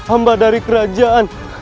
amba dari kerajaan